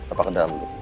apa ke dalam dulu